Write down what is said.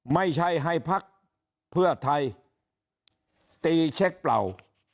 ไม่ใช่ให้พักเพื่อไทยตีเช็คเปล่า